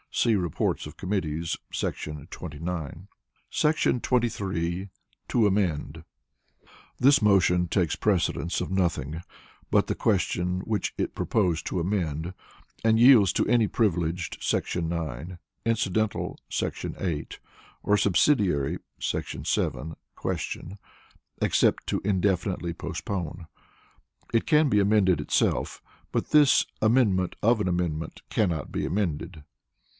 [See Reports of Committees, § 29.] 23. To Amend. This motion takes precedence of nothing but the question which it proposed to amend, and yields to any Privileged [§ 9], Incidental [§ 8] or Subsidiary [§ 7] Question, except to Indefinitely Postpone. It can be amended itself, but this "amendment of an amendment" cannot be amended.